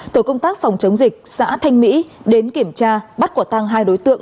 tổ công tác phòng chống dịch xã thanh mỹ đến kiểm tra bắt quả tăng hai đối tượng